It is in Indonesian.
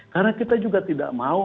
karena kita juga tidak mau